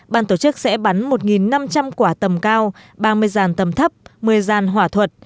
ban tổ chức sẽ bán một năm trăm linh quả tầm cao ba mươi dàn tầm thấp một mươi dàn hỏa thuật